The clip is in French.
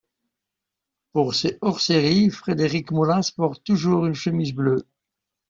Pour ces hors-séries, Frédéric Molas porte toujours une chemise bleue.